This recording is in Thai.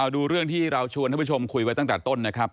ดูเรื่องที่เราชวนให้ผู้ชมคุยไว้ตั้งแต่ต้น